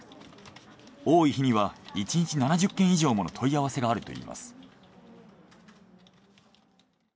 多い日には１日７０件以上もの問い合わせがあるといいます。